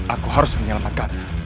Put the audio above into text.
aku harus menyelamatkan